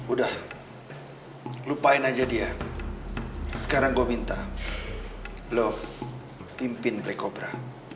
udah lupain aja dia sekarang gue minta loh pimpin black cobra